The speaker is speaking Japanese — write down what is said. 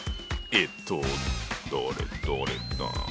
えっとどれどれ。